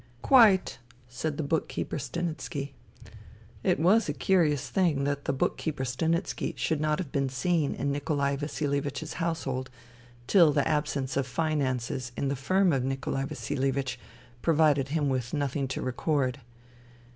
" Quite," said the book keeper Stanitski. It was a curious thing that the book keeper Stanitski should not have been seen in Nikolai Vasilievich's household till the absence of finances in the firm of Nikolai Vasilievich provided him with nothing to record.